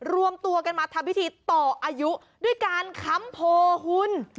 รวมตัวกันมาทำพิธีต่ออายุด้วยการค้ำโพหุ่น